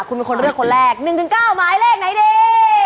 คุณเป็นคนเลือกคนแรก๑๙หมายเลขไหนดี